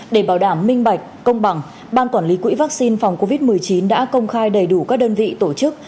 để bảo đảm minh bạch công bằng ban quản lý quỹ vaccine phòng covid một mươi chín đã công khai đầy đủ các đơn vị tổ chức